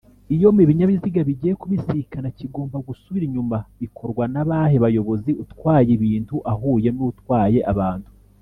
iyo Mubinyabiziga bigiye kubisikana kigomba gusubira inyuma bikorwa na bahe bayobozi utwaye ibintu ahuye nutwaye abantu